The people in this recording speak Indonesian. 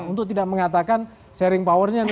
untuk tidak mengatakan sharing powernya